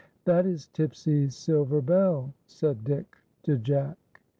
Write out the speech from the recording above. " That is Tipsy's silver bell," said Dick to Jack.